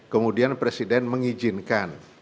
kemudian presiden mengizinkan